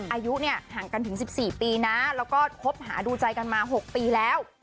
อายุเนี่ยห่างกันถึง๑๔ปีนะแล้วก็คบหาดูใจกันมา๖ปีแล้ว